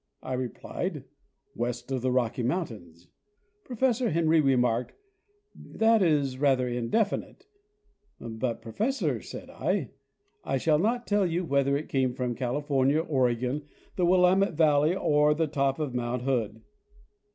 I replied, " West of the Rocky mountains." Professor Henry remarked, "That is rather indefinite." '' But Professor," said I, ''I shall not tell you whether it came from California, Oregon, the Willamette One of the World's Wheat fields 211 valley or the top of mount Hood."